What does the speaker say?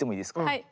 はい。